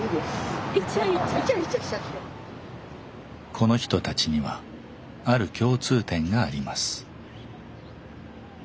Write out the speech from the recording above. この人たちにはある共通点があります。